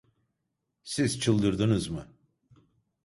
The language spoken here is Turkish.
Siz çıldırdınız mı?